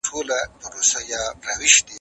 لیکوال خپله نوې کیسه بشپړه کړې ده.